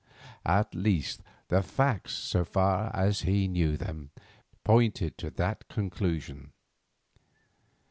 At least, the facts, so far as he knew them, pointed to that conclusion.